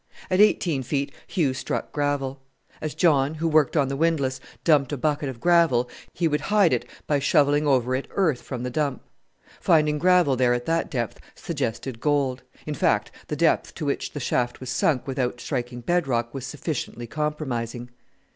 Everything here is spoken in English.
At eighteen feet Hugh struck gravel. As John, who worked the windlass, dumped a bucket of gravel, he would hide it by shovelling over it earth from the dump. Finding gravel there at that depth suggested gold; in fact, the depth to which the shaft was sunk without striking bed rock was sufficiently compromising.